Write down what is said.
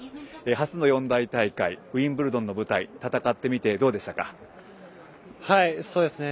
初の四大大会ウィンブルドンの舞台戦ってみてどうでしたか？